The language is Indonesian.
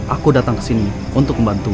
aku datang ke sini untuk membantu